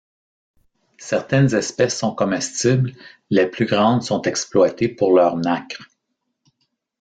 Certaines espèces sont comestibles, les plus grandes sont exploitées pour leur nacre.